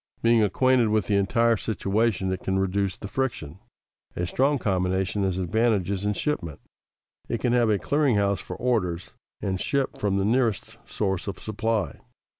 Being acquainted with the entire situation, it can reduce the friction. A strong combination has advantages in shipment. It can have a clearing house for orders and ship from the nearest source of supply.